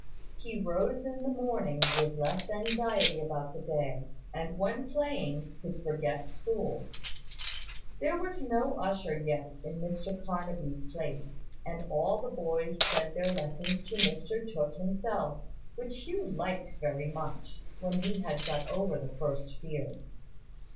He rose in the morning with less anxiety about the day: and when playing, could forget school. There was no usher yet in Mr Carnaby's place; and all the boys said their lessons to Mr Tooke himself: which Hugh liked very much, when he had got over the first fear.